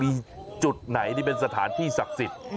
มีจุดไหนที่เป็นสถานที่ศักดิ์สิทธิ์